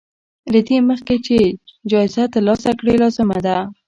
له دې مخکې چې جايزه ترلاسه کړې لازمه ده.